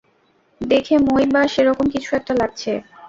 দেখে মই বা সেরকম কিছু একটা লাগছে।